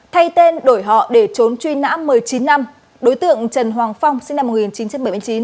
thay tên đổi họ để trốn truy nã một mươi chín năm đối tượng trần hoàng phong sinh năm một nghìn chín trăm bảy mươi chín